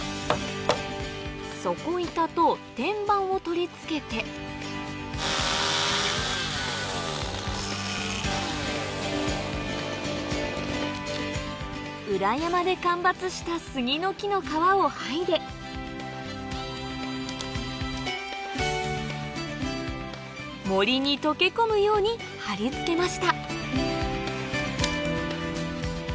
底板と天板を取り付けて裏山で間伐した杉の木の皮を剥いで森に溶け込むように張り付けました